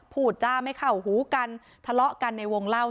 จ้าไม่เข้าหูกันทะเลาะกันในวงเล่า